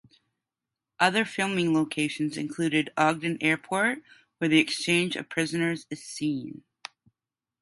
Other filming locations included Ogden Airport where the exchange of prisoners is seen.